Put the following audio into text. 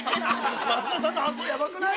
松田さんの発想ヤバくないですか？